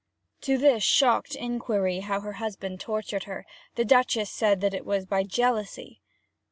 To his shocked inquiry how her husband tortured her, the Duchess said that it was by jealousy.